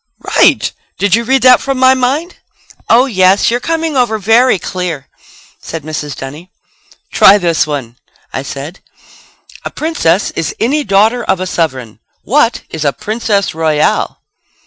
"Right! Did you read that from my mind?" "Oh, yes, you're coming over very clear!" said Mrs. Dunny. "Try this one," I said. "A princess is any daughter of a sovereign. What is a princess royal?"